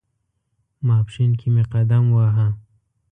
ماپښین کې مې قدم واهه.